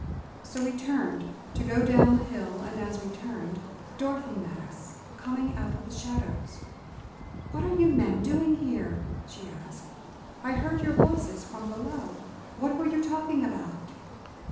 So we turned to go down the hill, and as we turned, Dorothy met us, coming out of the shadows. "What are you men doing here?" she asked. "I heard your voices from below. What were you talking about?"